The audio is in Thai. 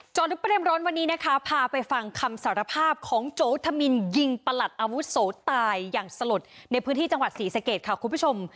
ลึกประเด็นร้อนวันนี้นะคะพาไปฟังคำสารภาพของโจธมินยิงประหลัดอาวุโสตายอย่างสลดในพื้นที่จังหวัดศรีสะเกดค่ะคุณผู้ชม